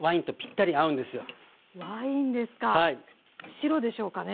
白でしょうかね？